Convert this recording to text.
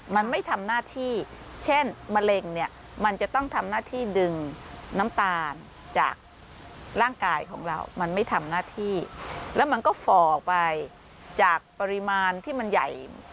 มันไม่ทำหน้าที่แล้วมันก็ฝอกไปจากปริมาณที่มันใหญ่